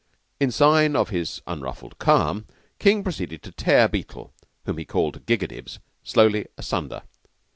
In sign of his unruffled calm, King proceeded to tear Beetle, whom he called Gigadibs, slowly asunder.